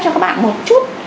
cho các bạn một chút